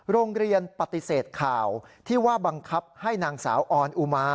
โรงเรียนปฏิเสธข่าวที่ว่าบังคับให้นางสาวออนอุมา